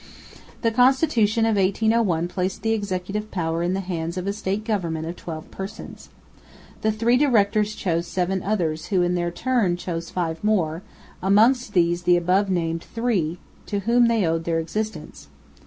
The Constitution of 1801 placed the executive power in the hands of a State Government of twelve persons. The three directors chose seven others, who in their turn chose five more, amongst these the above named three, to whom they owed their existence.